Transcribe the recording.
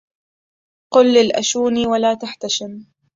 قل للأشوني ولا تحتشم